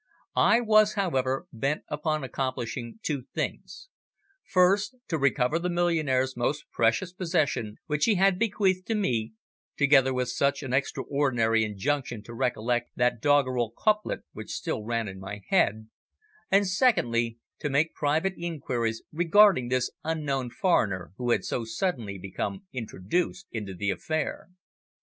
I was, however, bent upon accomplishing two things; first, to recover the millionaire's most precious possession which he had bequeathed to me, together with such an extraordinary injunction to recollect that doggerel couplet which still ran in my head; and secondly, to make private inquiries regarding this unknown foreigner who had so suddenly become introduced into the affair.